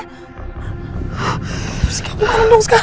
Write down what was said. harusnya aku malen dong sekarang